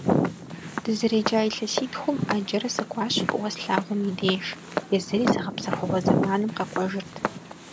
Дызэреджа илъэситхум Ӏэджэрэ сыкӀуащ фӀыуэ слъагъум и деж, езыри зыгъэпсэхугъуэ зэманым къэкӀуэжырт.